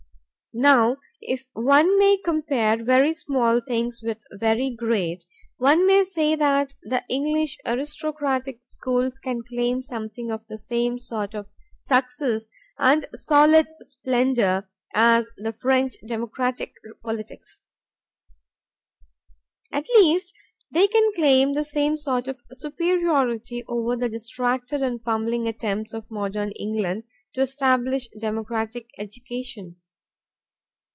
Now if one may compare very small things with very great, one may say that the English aristocratic schools can claim something of the same sort of success and solid splendor as the French democratic politics. At least they can claim the same sort of superiority over the distracted and fumbling attempts of modern England to establish democratic education.